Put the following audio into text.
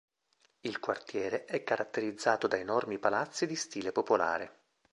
Il quartiere è caratterizzato da enormi palazzi di stile popolare.